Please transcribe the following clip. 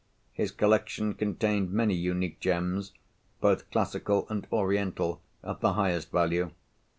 His collection contained many unique gems, both classical and Oriental, of the highest value.